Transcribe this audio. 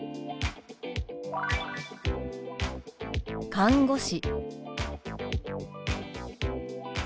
「看護師」。